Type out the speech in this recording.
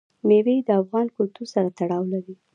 مېوې د افغان کلتور سره تړاو لري.